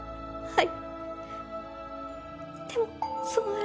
はい。